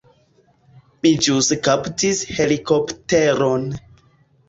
Mi ĵus kaptis helikopteron.